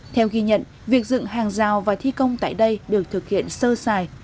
theo ghi nhận việc dựng hàng rào và thi công tại đây được thực hiện sơ xài